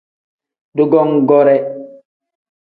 Dugongoore.